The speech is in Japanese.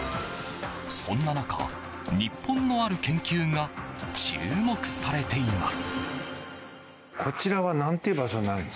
そんな中、日本のある研究が注目されています。